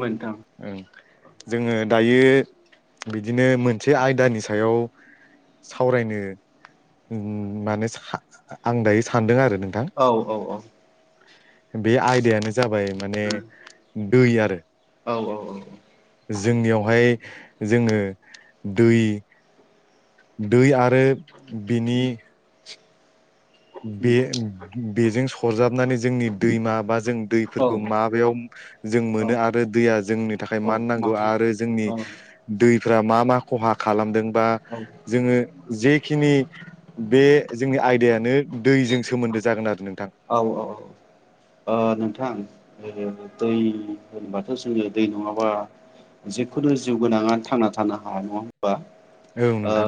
नोंथां ओं जोङो। दायो बिदिनो मोनसे आयदानि सायाव सावरायनो उम माने आं दायो सानदों आरो नोंथां औ औ औ। बे आयदायानो जाबाय माने दै आरो। औ औ औ। जोंनियावहाय जोङो दै। दै आरो बिनि। बे बेजों सरजाबनानै जोंनि दैमाबा जों औ दैफोरखौ माबायाव जों मोनो आरो दैया जोंनि थाखाय मा नांगौ आरो जोंनि औ दै फोरा मा मा खहा खालामदों बा औ जोङो जेखिनि बे जोंनि आयदायानो दैजों सोमोन्दो जागोन आरो नों औ औ ओ नोंथां दै होनबाथ' जोङो दै नङाबा जिखुनु जिउ गोनाङा थांना थानो हानाय नङा औ ओ नोंथां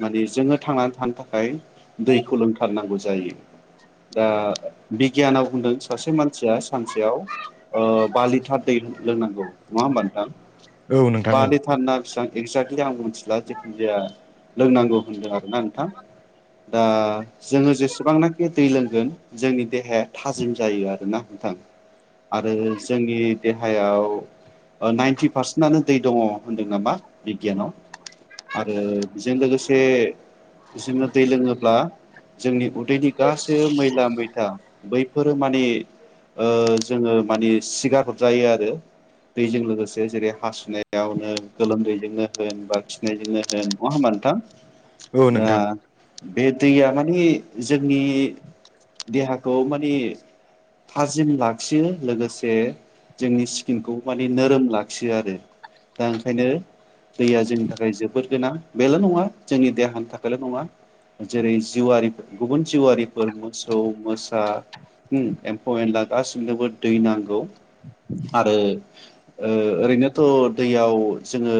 माने जोङो थांनानै थानो थाखाय दैखौ लोंथारनांगौ जायो। दा बिगियानाव बुं होनदों सासे मानसिया सानसेयाव ओ बा लिटार दै लोंनांगौ नङा होमबा नोंथां ओं औ नोंथां बा औ लिथार ना बिसिबां एक्जेक्टलि आं मिथिला जेखुन जाया लोंनांगौ होनदों आरोना नोंथां दा जोङो जेसेबांनाखि दै लों गोन जोंनि देहाया थाजिम जायो आरोना नोंथां आरो जोंनि देहायाव नाइनटि पारसेन्टनो दै दङ होनदों नामा बिगियानाव आरो बेजों लोगोसे जोङो दै लोङोब्ला जोंनि उदैनि गासै मैला मैथा बैफो रो माने ओ जोङो माने सिगार हरजायो आरो दैजों लोगोसे जेरै हासुनायावनो गोलोमदैजोंनो होन बा खिनायजोंनो होन नङा होमबा नोंथां। औ दा नोंथां बे दैया माने जोंनि देहाखौ माने थाजिम लाखियो लोगोसे जोंनि स्किनखौ माने नोरोम लाखियो आरो दा ओंखायनो दैया जोंनि थाखाय जोबोद गोनां बेल' नङा जोंनि देहानि थाखायल' नङा जेरै जिउआरिफोर गुबुन जिउआरि फोर मोसौ मोसा, होम एम्फौ-एनला गासिनोबो दै नांगौ आरो ओ ओरैनोथ' दैयाव जोङो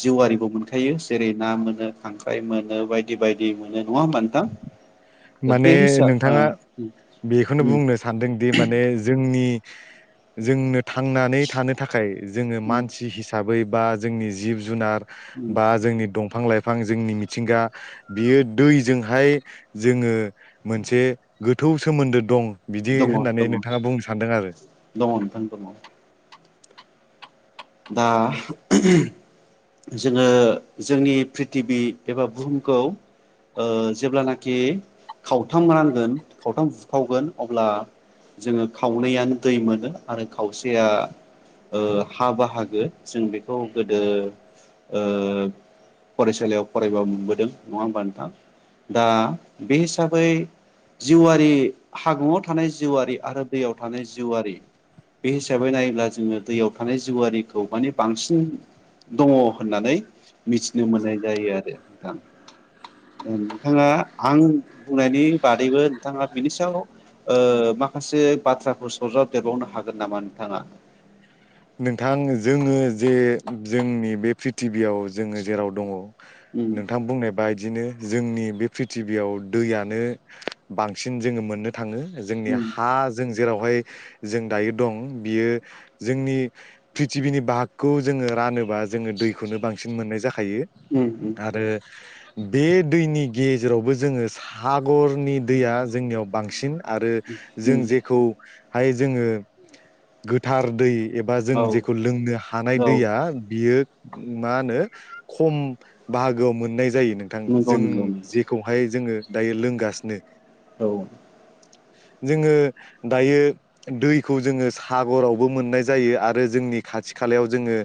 जिउआिबो मोनखायो जेरै ना मोनो खांख्राइ मोनो बायदि बायदि मोनो नङा होमबा नोंथां ने बे हिसाब नोंथाङा ओ बेखौनो उम बुंनो सानदोंदि माने जोंनि जोंनो थांनानै थानो थाखाय जोङो उम मानसि हिसाबै बा जोंनि जिब-जुनार उम बा जोंनि दंफां-लाइफां बिफां जोंनि मिथिंगा बियो दैजों हाय जोङो मोनसे गोथौ सोमोन्दो दं। बिदि दङ होननानै दङ नोंथाङा बुंनो सानदों आरो दङ नोंथां दङ दा [unintelligible] जोङो जोंनि प्रिथिबि एबा बुहुमखौ जेब्लानाखि खावथाम रानांगोन खावथाम बुखावगोन अब्ला जोङो खावनैयानो दै मोनो आरो खावसेया [unintelligible] बाहागो जों बेखौ गोदो ओ फरायसालियाव फरायबा मोनबोदों नङा होमबा नोंथां दा बे हिसाबै जिउआरि हागुआव थानाय जिउआरि आरो दैयाव थानाय जिउआरि बे हिसाबै नायोब्ला जोङो दैयाव थानाय जिउआरिखौ माने बांसिन दङ होननानै मिथिनो मोननाय जायो आरो नोंथां नोंथाङा आं बुंनायनि बादैबो नोंथाङा बिनि सायाव माखासे बाथ्राखौ सरजाबदेरबावनो हागोन नामा नोंथाङा नोंथां जोङो जे जोंनि बे प्रि टिभि आयाव जोङो जेराव दङ उम नोंथां बुंनाय बाय बिदिनो जोंनि बे प्रिथिबियाव दैयानो बांसिन जोङो मोननो थाङो जोंनि उम हा जों जेरावहाय जों दायो दं बियो जोंनि प्रिथिबिनि बाहागखौ जोङो रानोबा जोङो दैखौनो बांसिन मोननाय जा खायो उम उम दा आरो बे दैनि गेजेरावबो जोङो सागरनि दैया जोंनियाव बांसिन आरो जों उम जेखौ हाय जोङो गोथार दै एबा औ जों जेखौ लोंनो हानाय दैया बियो मा होनो खम बाहागोआव मोननाय जायो नोंथां नंगौ जों नंगौ जेखौहाय जोङो दायो लोंगासिनो औ जोङो दायो दैखौ जोङो सागरावबो मोननाय जायो आरो जोंनि खाथि खालायाव जोङो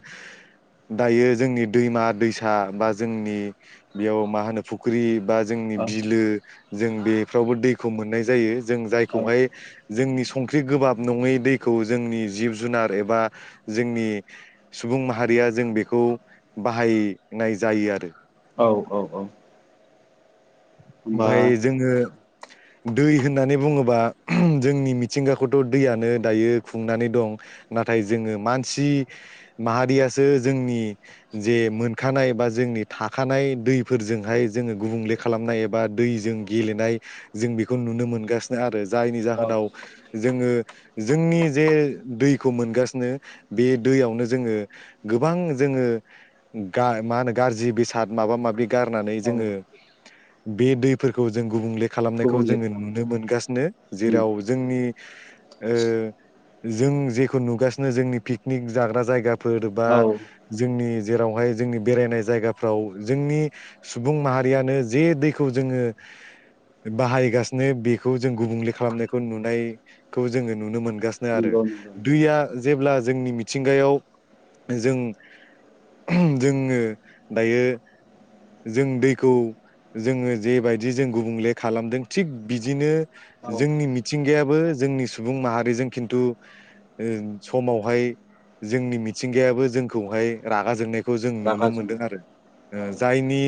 दायो जोंनि दैमा दैसा बा जोंनि बेयाव मा होनो फुख्रि बा जोंनि औ बिलो जों बेफ्रावबो दैखौ मोननाय जायो जों औ जायखौहाय जोंनि संख्रि गोबाब नङै दैखौ जोंनि जिब जुनार एबा जोंनि सुबुं माहारिया जों बेखौ बाहायनाय जायो आरो औ औ औ होमबा ओमफाय जोङो दै होननानै बुङोबा ओहम जोंनि मिथिंगाखौथ' दैयानो दायो खुंनानै दं नाथाय जोङो मानसि माहारियासो जोंनि जे मोनखानाय बा जोंनि थाखानाय दैफोरजोंहाय जोङो गुबुंले खालामनाय ए बा दैजों गेलेनाय जों बेखौ नुनो मोनगासिनो आरो जायनि औ जाहोनाव जोङो जोंनि जे दैखौ मोनगासिनो बे दैयावनो जोङो गोबां जोङो गा मा होनो गाज्रि बेसाद माबा माबि गारनानै औ जोङो बे दैफोरखौ जों गुबुंले खालामनायखौ गुबुंले जोङो नुनो खालामदों मोनगासिनो उम जेराव जोंनि ओ जों जेखौ नुगासिनो जोंनि पिकनिक जाग्रा जायगा फोर बा औ जोंनि जेरावहाय जोंनि बेरायनाय जायगाफ्राव जोंनि सुबुं माहारियानो जे दै खौ जोङो बाहायगासिनो बेखौ जों गुबुंले खालामनायखौ नुनायखौ जोङो नुनो मोनगासिनो‌ आरो नंगौ नंगौ नोंथां दैया जेब्ला जोंनि मिथिंगायाव जों ओहम जोङो दायो जों दैखौ जोङो जेबायदि जों गुबुंले खालामदों थिग बिदिनो औ जोंनि मिथिंगायाबो जोंनि सुबुं माहारिजों खिन्थु ओ समावहाय जोंनि मिथिंगायाबो जोंखौहाय रागा जोंनाय खौ जों रागा नुनो मोनदों जोंनाय आरो औ जायनि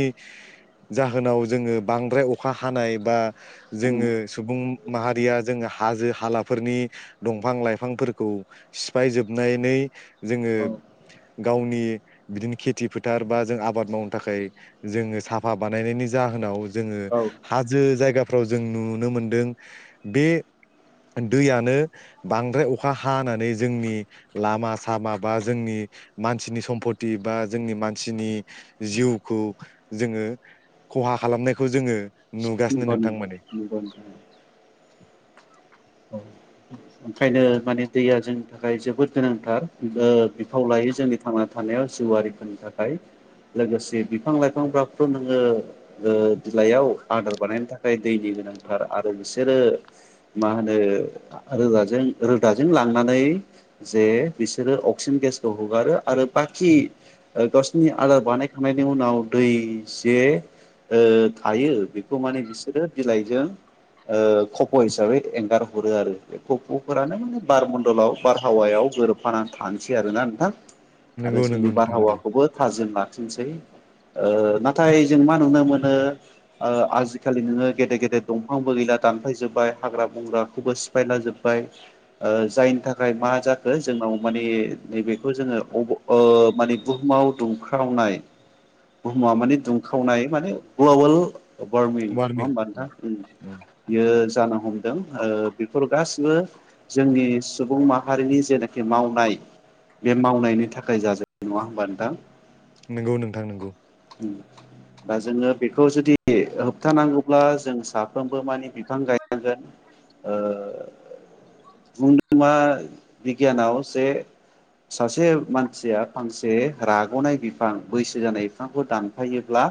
जा जाहोनाव जोङो बांद्राय अखा हानाय बा उम जोङो सुबुं माहारिया जोङो हाजो हालाफोरनि दंफां लाइफांफोरखौ सिफाय जोबनानै जोङो औ गावनि बिदिनो खेथि फोथार बा जों आबाद मावनो थाखाय जोङो साफा बानायनायनि जाहोनाव जोङो औ हाजो जायगाफ्राव जों नुनो मोनदों। बे दैयानो बांद्राय अखा हानानै जोंनि लामा सामा बा जोंनि मानसिनि सम्पत बा जोंनि मानसिनि जिउखौ जोङो खहा खालामनायखौ जोङो नुगासिनो नोंथां माने [inaudible] औ ओंखायनो माने दैया जोंनि थाखाय जोबोद गोनांथार ओ बिफाव लायो जोंनि थांना थानायाव जिउआरारिफोरनि थाखाय लोगोसे बिफां लाइफांफ्राथ' नोङो बिलाइयाव आदार बानायनो थाखाय दैनि गोनांथार आरो बिसोरो मा होनो आरो रोगा रोदाजों रोदाजों लांनानै जे बिसोरो अक्सिजेन गेसखौ हगारो आरो बाखि गावसिोरनि आदार बानायखांनायनि उनाव दै जे थायो बेखौ माने बिसोरो बिलाइजों खफ' हिसाबै एंगारहरो आरो गफ'फोरानो माने बारमन्दलाव बारहावायाव गोरोबफानानै थानोसै आरोना नोंथां। आरो नंगौ नंगौ जोंनि नोंथां नंगौ बारहावाखौबो थाजिमला सै ओ नाथाय जों मा नुनो मोनो ओ आजिखालि नोङो गेदेर गेदेर दंफांबो गैला दानफायजोबबाय हाग्रा बंग्राखौबो सिफायला जोब बाय ओ जायनि थाखाय मा जाखो जोंनाव माने नैबेखौ जोङो माने बुहुमाव दुंख्रावनाय बुहुमाव माने दुंख्रावनाय माने ग्लबेल बारमि नङा वारनिं हबा नोंथां बियो जान हम दों ओ बेफोर गास गासिबो जोंनि सुबुं माहारिनि जेनाखि मावनाय बे मावनायनि थाखाय जाजायो नङा होमब नोंथां। नंगौ नोंथां नंगौ। दा जोङो बेखौ जुदि होबथानांगौब्ला जों साफ्रोमबो मानि बिफां गायनांगोन ओ बुंदों मा बिगियानाव जे सासे मानसिया फांसे राग'नाय बिफां बैसो जानाय। बिफांखौ दानफायोब्ला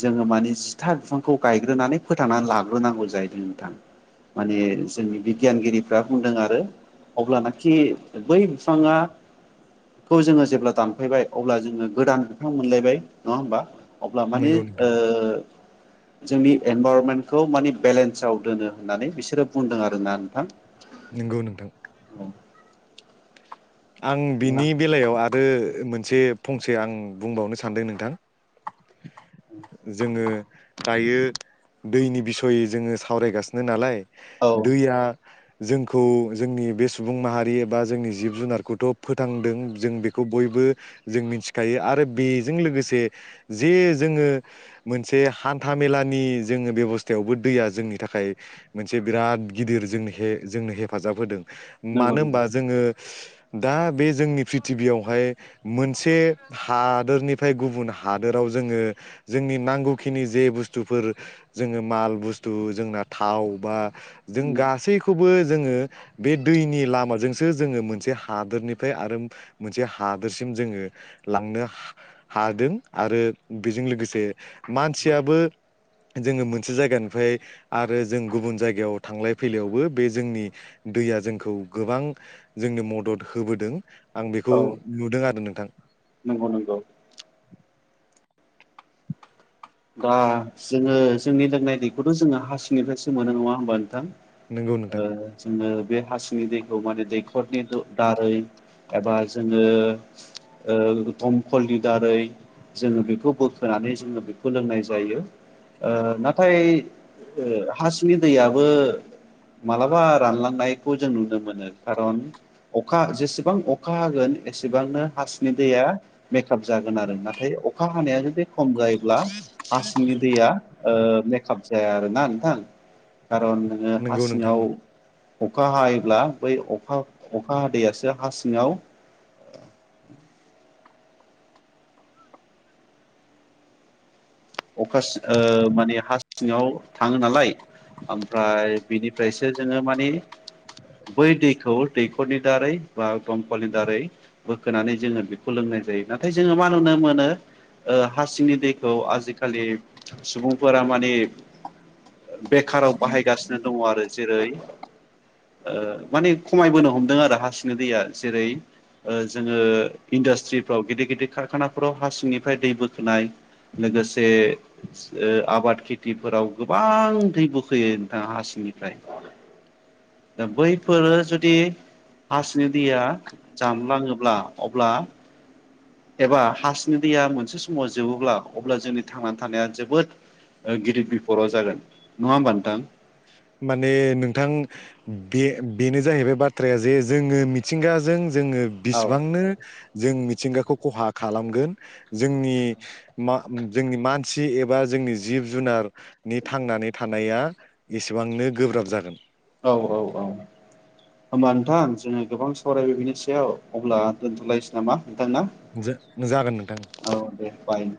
जोङो माने जिथा बिफांखौ गायग्रोनानै फोथांनानै लाग्रोनांगौ जाहैदों नोंथां माने जोंनि बिगियानगिरिफ्रा बुंदों आरो अब्लानाखि बै बिफाङाखौ जोङो जेब्ला दानफायबाय अब्ला जोङो गोदान बिफां मोनलायबाय। अ होमबा अब्ला माने नंगौ नोंथां ओ जोंनि इनभाररनमेन्टखौ माने बेलेन्साव दोनो होननानै बिसोरो बुंदों आरोना नोंथां। नंगौ नोंथां औ आं बिनि बेलायाव आरो मोनसे फंसे आं बुंबावनो सानदों नोंथां। जोङो दायो दैनि बिसयै जोङो सावरायगासिनो नालाय। औ दैया जोंखौ जोंनि बे सुबुं माहारि एबा जोंनि जिब जुनार खौथ' फोथांदों जों बेखौ बयबो जों मिथिखायो आरो बेजों लोगोसे जे जोङो मोनसे हान्था मेलानि जोङो बेब'स्थायावबो दैया जोंनि थाखाय मोनसे बिराद गिदिर जोंनो जोंनो हेफाजाब होदों। मानो नंगौ नंगौ होनोमबा जोङो दा बे जोंनि प्रिथिबियावहाय मोनसे हादोरनिफ्राय गुबुन हादोराव जोङो जोंनि नांगौखिनि जे बुस्थुफोर जोङो माल बुस्थु जोंना थाव बा जों गासैखौबो जोङो बे दैनि लामाजोंसो जोङो मोनसे हादोरनिफ्राय आरो मोनसे हादोरसिम जोङो लांनो हादों आरो बेजों लोगोसे । मानसियाबो जोङो मोनसे जायगानिफ्राय आरो जों गुबुन जायगायाव थांलाय फैलायावबो बे जोंनि दैया जोंखौ गोबां जोंनो मदद । होबोदों। आं बेखौ औ नुदों आरो नोंथां नंगौ नंगौ । दा जोङो जोंनि लोंनाय दैखौथ' जोङो हासिंनिफ्रायसो मोनो नङा होमबा नोंथां नंगौ । ओ नोंथां जोंङो । बे हासिंनि दैखौ माने दैखरनि दारै एबा जोङो ओ दमखलनि दारै जोङो बेखौ बोखोनानै जोङो । खौ लोंनाय जायो ओ नाथाय हासिंनि दैयाबो मालाबा रानलांनायखौ जों नुनो मोनो कारन जेसेबां अखा हागोन एसेबांनो हासिंनि दैया मेकप जागोन आरो नाथाय अखा हानाया जुदि खम जायो । हासिंनि दैया । ओ मेकाप जाया आरो ना नोंथां । खारन नोङो नंगौ नोंथां हासिंङाव । अखा हायोब्ला बै अखा अखा हादैयासो हा सिङाव । अखा सि ओ माने हा सिङाव थाङो नालाय ओमफ्राय बिनिफ्रायसो जोङो मानि बै दैखौ दैखरनि दारै बा दमखलनि दारै बोखांनानै जोङो बेखौ लोंनाय जायो नाथाय जोङो मा नुनो मोनो ओ हा सिंनि दैखौ आजिखालि खालि सुबुंफोरा माने बेखाराव बाहायगासिनो दङ आरो जेरै ओ माने खमायबोनो हमदों आरो हा सिंनि दैया जेरै जोङो इन्डास्ट्रिफ्राव गिदिर गिदिर कारखानाफोराव हा सिंनिफ्राय दै बोखोनाय लोगोसे । जे ओ आबाद खेथिफोराव गोबां दै बोखोयो नोंथां हासिंनिफ्राय दा बैफोरो जुदि हासिंनि दैया जामलाङोब्ला अब्ला एबा हासिंनि दैया मोनसे समाव जोबोब्ला अब्ला जोंनि थांनानै थानाया जोबोद गिदिर बिफदाव जागोन नङा होमबा नोंथां। माने नोंथां बे बेनो जाहैबाय बाथ्राया जे जोङो मिथिंगाजों जोङो औ बिसेबांनो जों मिथिंगाखौ खहा खालामगोन जोंनि मा जोंनि मानसि एबा जोंनि जिब जुनारनि थांनानै थानाया एसेबांनो गोब्राब जागोन । औ औ औ होमबा नोंथां जोङो गोबां सावरायबाय बिनि सायाव अब्ला दोनथ'लायसै नामा? थांना जागोन नोंथां औ दे बाय।